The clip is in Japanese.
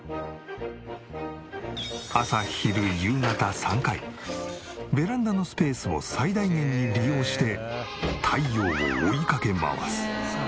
朝昼夕方３回ベランダのスペースを最大限に利用して太陽を追いかけ回す。